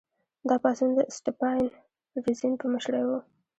دا پاڅون د اسټپان رزین په مشرۍ و.